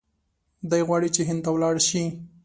دی غواړي چې هند ته ولاړ شي.